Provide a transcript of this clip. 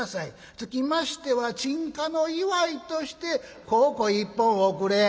つきましては鎮火の祝いとして香香１本おくれ』」。